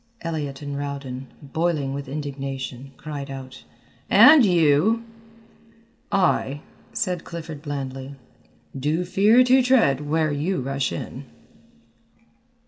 Elliott and Rowden, boiling with indignation, cried out, "And you!" "I," said Clifford blandly, "do fear to tread where you rush in."